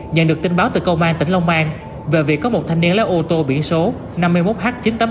nhận được tin báo từ công an tỉnh long an về việc có một thanh niên lái ô tô biển số năm mươi một h chín mươi tám nghìn hai trăm chín mươi bốn